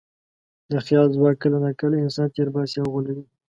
د خیال ځواک کله ناکله انسان تېر باسي او غولوي.